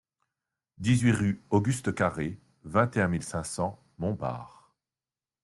dix-huit rue Auguste Carré, vingt et un mille cinq cents Montbard